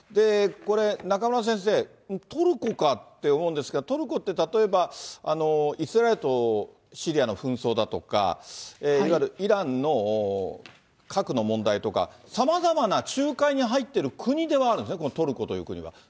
これ、中村先生、トルコかって思うんですが、トルコって、例えば、イスラエルとシリアの紛争だとか、いわゆるイランの核の問題とか、さまざまな仲介に入ってる国ではあるんですね、このトルコという国は。